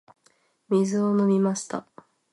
水を飲みました。